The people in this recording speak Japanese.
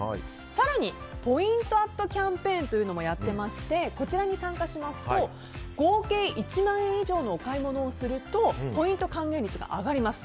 更にポイントアップキャンペーンというのもやってましてこちらに参加しますと合計１万円以上のお買い物をするとポイント還元率が上がります。